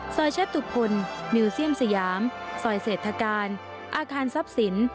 สอยแชทุพลมิวเซียมสยามสอยเศรษฐการอาคารทรัพย์ศิลป์